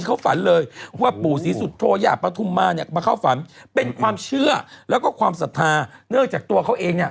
เขาฝันเลยว่าปู่ศรีสุโธยาปฐุมมาเนี่ยมาเข้าฝันเป็นความเชื่อแล้วก็ความศรัทธาเนื่องจากตัวเขาเองเนี่ย